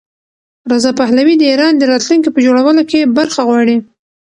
رضا پهلوي د ایران د راتلونکي په جوړولو کې برخه غواړي.